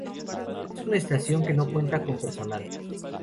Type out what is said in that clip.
Es una estación que no cuenta con personal.